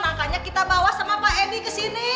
makanya kita bawa sama pak edi kesini